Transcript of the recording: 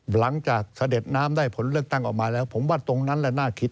หลังจากเสด็จน้ำและได้ผลเลือกตั้งและผมว่าตรงนั้นน่าคิด